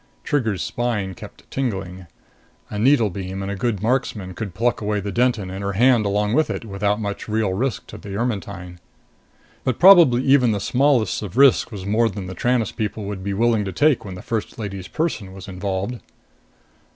Trigger's spine kept tingling. A needlebeam and a good marksman could pluck away the Denton and her hand along with it, without much real risk to Ermetyne. But probably even the smallest of risks was more than the Tranest people would be willing to take when the First Lady's person was involved.